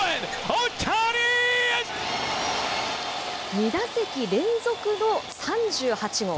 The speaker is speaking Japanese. ２打席連続の３８号。